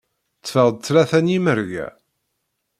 Ṭṭfeɣ-d tlata n yimerga.